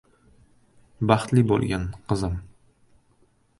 — Baxtli bo‘lgin, qizim!